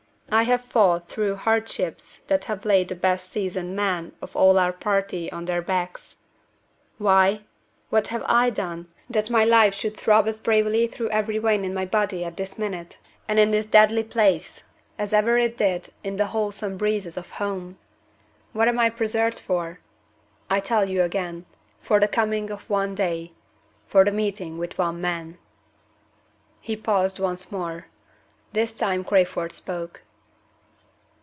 I have fought through hardships that have laid the best seasoned men of all our party on their backs. Why? What have I done, that my life should throb as bravely through every vein in my body at this minute, and in this deadly place, as ever it did in the wholesome breezes of home? What am I preserved for? I tell you again, for the coming of one day for the meeting with one man." He paused once more. This time Crayford spoke.